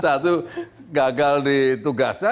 satu gagal di tugasnya